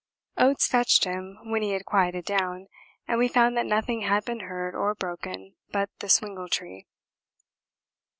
Oates fetched him when he had quieted down, and we found that nothing had been hurt or broken but the swingle tree.